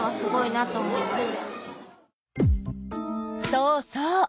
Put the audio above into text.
そうそう。